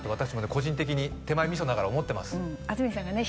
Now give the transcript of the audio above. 個人的に手前味噌ながら思ってます